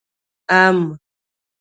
🥭 ام